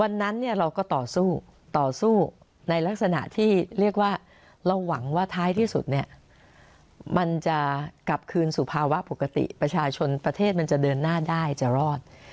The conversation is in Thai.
วันนั้นเนี่ยเราก็ต่อสู้ต่อสู้ในลักษณะที่เรียกว่าเราหวังว่าท้ายที่สุดเนี่ยมันจะกลับคืนสู่ภาวะปกติประชาชนประเทศมันจะเดินหน้าได้จะรอด